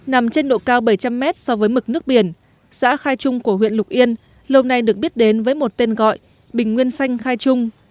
nằm trên độ cao bảy trăm linh mét so với mực nước biển xã khai trung của huyện lục yên lâu nay được biết đến với một tên gọi bình nguyên xanh khai trung